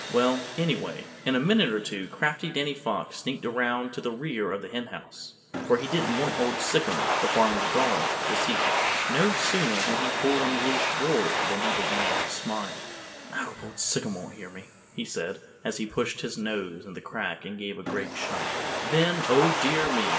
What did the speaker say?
Well, anyway, in a minute or two crafty Danny Fox sneaked around to the rear of the Henhouse, for he didn't want Old Sic'em, the farmer's dog, to see him. No sooner had he pulled on the loose board than he began to smile. "I hope Old Sic'em won't hear me," he said, as he pushed his nose in the crack and gave a great shove. Then, Oh, dear me!